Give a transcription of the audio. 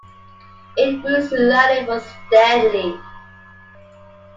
It grew slowly but steadily.